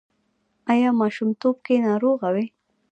ایا ماشومتوب کې ناروغه وئ؟